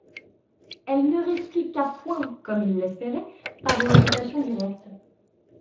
Elle ne répliqua point, comme il l'espérait, par une invitation directe.